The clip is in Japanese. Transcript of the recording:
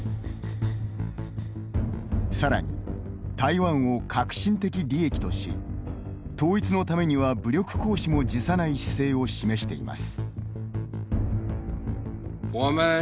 さらに、台湾を核心的利益とし統一のためには武力行使も辞さない姿勢を示しています。